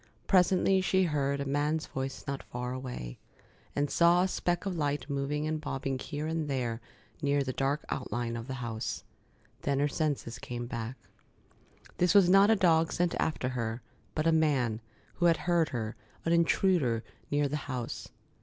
Presently she heard a man's voice not far away, and saw a speck of light moving and bobbing here and there near the dark outline of the house. Then her senses came back. This was not a dog sent after her, but a man, who had heard her, an intruder, near the house.